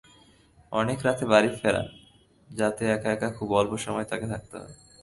অনেক রাতে বাড়ি ফেরেন, যাতে এক-একা খুব অল্প সময় তাঁকে থাকতে হয়।